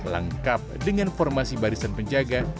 lengkap dengan formasi barisan penjaga